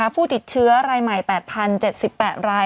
ผู้ติดเชื้อรายใหม่๘๐๗๘ราย